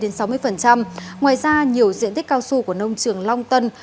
ngoài ra nhiều diện tích cao su của nông trường long tân